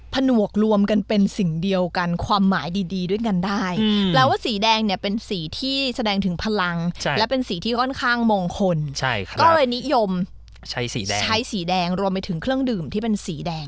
ผนวกรวมกันเป็นสิ่งเดียวกันความหมายดีดีด้วยกันได้แปลว่าสีแดงเนี่ยเป็นสีที่แสดงถึงพลังและเป็นสีที่ค่อนข้างมงคลใช่ครับก็เลยนิยมใช้สีแดงใช้สีแดงรวมไปถึงเครื่องดื่มที่เป็นสีแดง